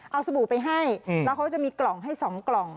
เอาสบู่ไปให้แล้วเขาจะมีกล่องให้๒กล่อง